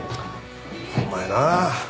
ホンマやなぁ。